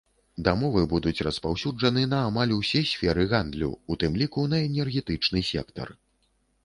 Дамовы будуць распаўсюджаны на амаль усе сферы гандлю, у тым ліку на энергетычны сектар.